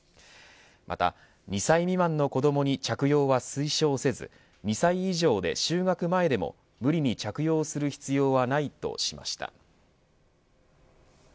また２歳未満の子どもに着用は推奨せず２歳以上で就学前でも無理に着用する必要はないとしました。